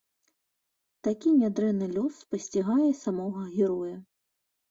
Такі нядрэнны лёс спасцігае і самога героя.